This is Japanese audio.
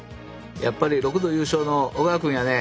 やっぱり６度優勝の小川くんやね。